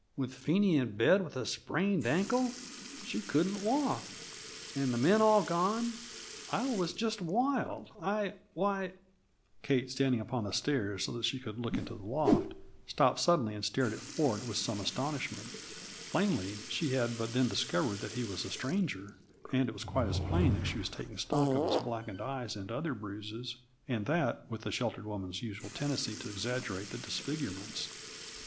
With Phenie in bed with a sprained ankle so she couldn't walk, and the men all gone, I was just wild! I why " Kate, standing upon the stairs so that she could look into the loft, stopped suddenly and stared at Ford with some astonishment. Plainly, she had but then discovered that he was a stranger and it was quite as plain that she was taking stock of his blackened eyes and other bruises, and that with the sheltered woman's usual tendency to exaggerate the disfigurements.